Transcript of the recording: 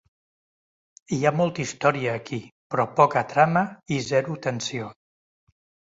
Hi ha molta història aquí, però poca trama i zero tensió.